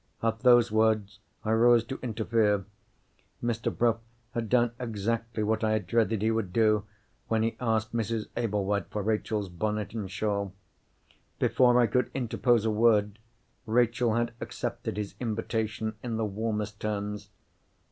At those words, I rose to interfere. Mr. Bruff had done exactly what I had dreaded he would do, when he asked Mrs. Ablewhite for Rachel's bonnet and shawl. Before I could interpose a word, Rachel had accepted his invitation in the warmest terms.